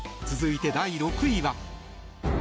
続いて、第６位は。